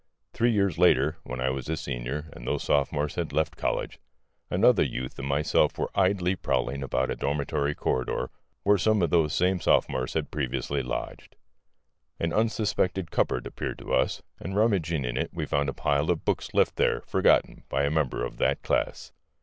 Three years later, when I was a senior, and those sophomores had left college, another youth and myself were idly prowling about a dormitory corridor where some of those same sophomores had previously lodged. An unsuspected cupboard appeared to us, and rummaging in it we found a pile of books left there, forgotten, by a member of that class.